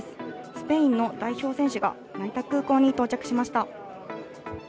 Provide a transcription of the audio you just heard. スペインの代表選手が成田空港に到着しました。